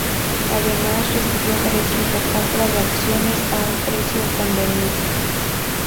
Además, recibió derechos de compra de acciones a un precio convenido.